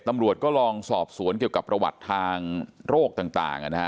ตำรวจก็ลองสอบสวนเกี่ยวกับประวัติทางโรคต่างนะฮะ